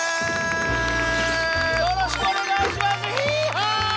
よろしくお願いします！